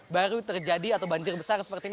baru terjadi atau banjir besar seperti ini